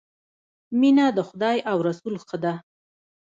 مینه د خدای او رسول ښه ده